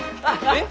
えっ？